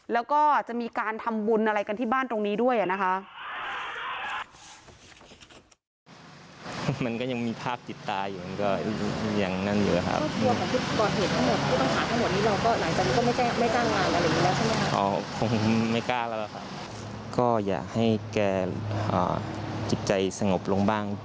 แล้วก็จะมีการทำบุญอะไรกันที่บ้านตรงนี้ด้วยนะคะ